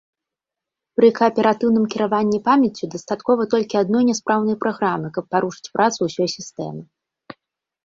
Пры кааператыўным кіраванні памяццю дастаткова толькі адной няспраўнай праграмы, каб парушыць працу ўсёй сістэмы.